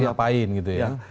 mau ngapain gitu ya